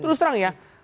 terus terang ya